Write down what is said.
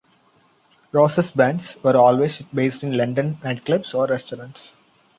Ros's bands were always based in London nightclubs or restaurants.